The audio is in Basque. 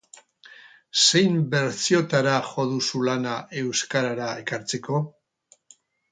Zein bertsiotara jo duzu lana euskarara ekartzeko?